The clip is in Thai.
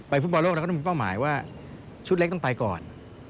ฟุตบอลโลกเราก็ต้องมีเป้าหมายว่าชุดเล็กต้องไปก่อน